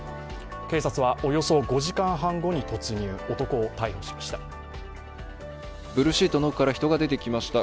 警察は、およそ５時間半後に突入男を逮捕しました。